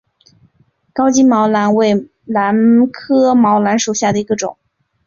高茎毛兰为兰科毛兰属下的一个种。